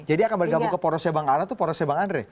oke jadi akan bergabung ke porosnya bang ara atau porosnya bang andre